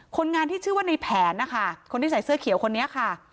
คนงานที่ชื่อว่าในแผนนะคะคนที่ใส่เสื้อเขียวคนนี้ค่ะ